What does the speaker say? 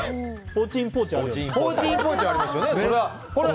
ポーチインポーチありますよね。